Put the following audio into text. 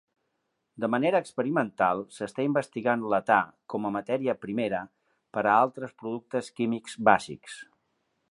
De manera experimental, s'està investigant l'età com a matèria primera per a altres productes químics bàsics.